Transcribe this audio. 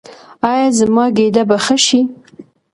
ایا زما ګیډه به ښه شي؟